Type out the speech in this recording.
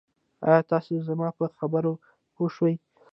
آیا تاسي زما په خبرو پوه شوي